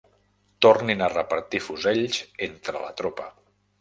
Tornin a repartir fusells entre la tropa.